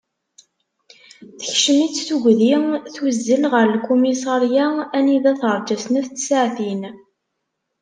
Tekcem-itt tugdi, tuzzel ɣer lkumisarya anida terǧa snat n tsaɛtin.